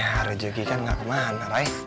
ya rejeki kan gak kemana ray